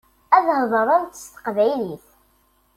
Ad heḍṛent s teqbaylit.